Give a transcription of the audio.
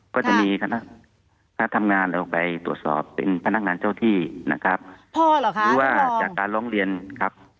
ก็จะมีคณะทำงานเราไปตรวจสอบเป็นพนักงานเจ้าที่นะครับพ่อเหรอคะหรือว่าจากการร้องเรียนครับ